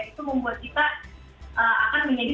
itu membuat kita akan menjadi